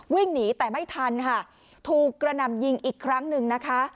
วิ่งหนีแต่ไม่ทันค่ะถูกกระหน่ำยิงอีกครั้งหนึ่งนะคะ